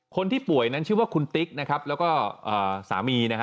คนที่ป่วยนั้นชื่อว่าคุณติ๊กนะครับแล้วก็สามีนะฮะ